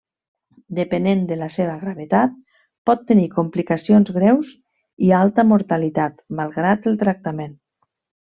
Depenent de la seva gravetat, pot tenir complicacions greus i alta mortalitat malgrat el tractament.